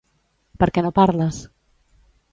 Per què no parles?